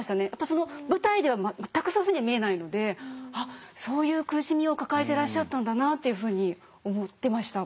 その舞台では全くそういうふうには見えないのであっそういう苦しみを抱えてらっしゃったんだなっていうふうに思ってました。